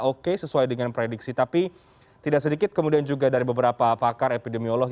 oke sesuai dengan prediksi tapi tidak sedikit kemudian juga dari beberapa pakar epidemiolog